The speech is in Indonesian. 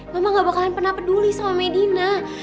mama gak bakalan pernah peduli sama medina